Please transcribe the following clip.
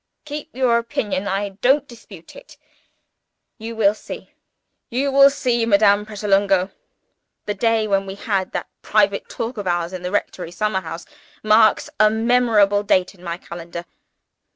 "Keep your opinion; I don't dispute it. You will see; you will see. Madame Pratolungo, the day when we had that private talk of ours in the rectory summer house, marks a memorable date in my calendar.